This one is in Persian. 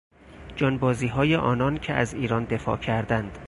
جانبازیهای آنان که از ایران دفاع کردند